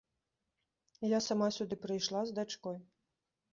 Я сама сюды прыйшла з дачкой.